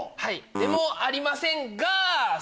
でもありません。